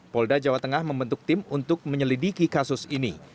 polda jawa tengah membentuk tim untuk menyelidiki kasus ini